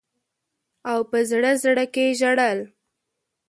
او په زړه زړه کي ژړل.